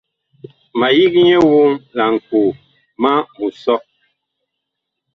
Ma yig nyɛ woŋ laŋkoo, ma mu soo.